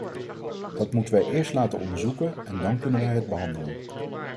Dat moeten wij eerst laten onderzoeken en dan kunnen wij het behandelen.